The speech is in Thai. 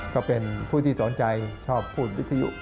ก็เป็นผู้ที่สนใจชอบพูดวิทยุ